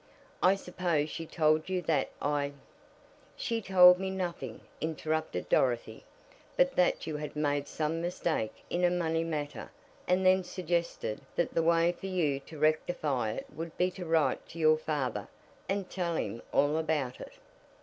"I suppose she told you that I " "She told me nothing," interrupted Dorothy, "but that you had made some mistake in a money matter and then suggested that the way for you to rectify it would be to write to your father and tell him all about it."